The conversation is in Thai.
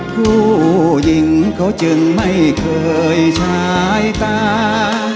ผู้หญิงเขาจึงไม่เคยใช้ตา